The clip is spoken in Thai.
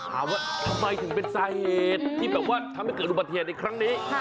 ถามว่าทำไมถึงเป็นสาเหตุที่แบบว่าทำให้เกิดอุบัติเหตุในครั้งนี้